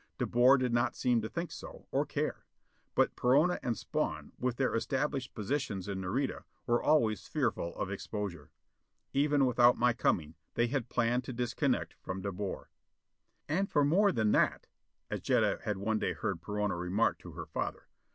De Boer did not seem to think so, or care. But Perona and Spawn, with their established positions in Nareda, were always fearful of exposure. Even without my coming, they had planned to disconnect from De Boer. "And for more than that," as Jetta had one day heard Perona remark to her father.